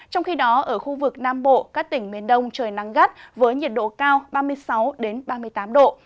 trong khi đó ở khu vực nam bộ các tỉnh miền đông trời nắng gắt với nhiệt độ cao ba mươi sáu ba mươi tám độ